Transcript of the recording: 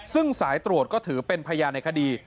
ซึ่งสายตรวจก็ถือเป็นพยานในคดี